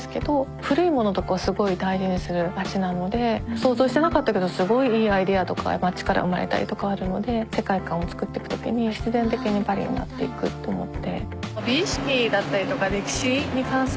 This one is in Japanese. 想像してなかったけどすごいいいアイデアとか街から生まれたりとかあるので世界観を作ってくときに必然的にパリになっていくと思って。